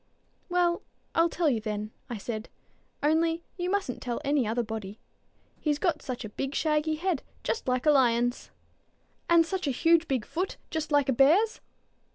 "Well, I'll tell you, then," I said; "only you mustn't tell any other body; he's got such a big shaggy head, just like a lion's." "And such a huge big foot, just like a bear's?"